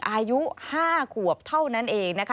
อายุ๕ขวบเท่านั้นเองนะคะ